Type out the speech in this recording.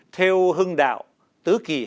theo hưng đạo tứ kỳ hà nội